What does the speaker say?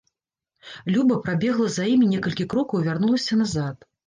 Люба прабегла за імі некалькі крокаў і вярнулася назад.